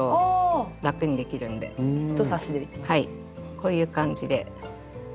こういう感じで。